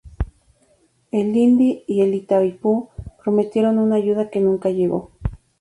El Indi y la Itaipú prometieron una ayuda que nunca llegó.